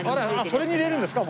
それに入れるんですか？